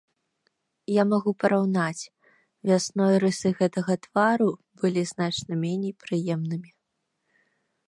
Я магу параўнаць, вясной рысы гэтага твару былі значна меней прыемнымі.